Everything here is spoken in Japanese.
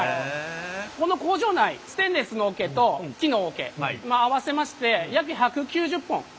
この工場内ステンレスの桶と木の桶合わせまして約１９０本。